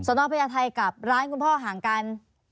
นอพญาไทยกับร้านคุณพ่อห่างกัน